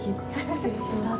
失礼します。